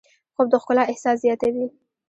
خوب د ښکلا احساس زیاتوي